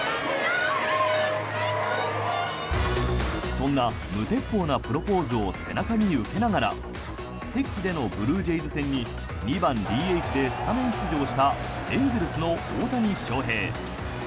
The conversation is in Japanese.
そんな無鉄砲なプロポーズを背中に受けながら敵地でのブルージェイズ戦に２番ＤＨでスタメン出場したエンゼルスの大谷翔平。